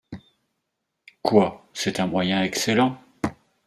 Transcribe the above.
Quoi ! c’est un moyen excellent.